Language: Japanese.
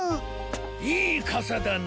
いいかさだな。